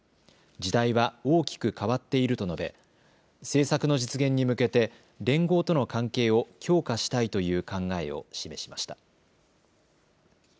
時代は大きく変わっていると述べ政策の実現に向けて連合との関係を強化したいという考えを示しました。